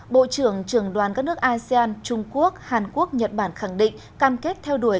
bộ trưởng trường đoàn các nước asean trung quốc hàn quốc nhật bản khẳng định cam kết theo đuổi